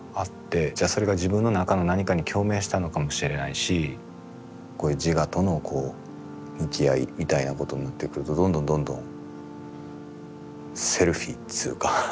じゃあそれが自分の中の何かに共鳴したのかもしれないしこういう自我との向き合いみたいなことになってくるとどんどんどんどんセルフィーっつうか。